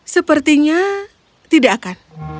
sepertinya tidak akan